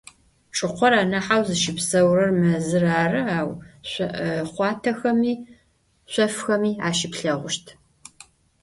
Çç'ıkhor anaheu zışıpseurer mezır arı, au xhuatexemi, şsofxemi aşıplheğuşt.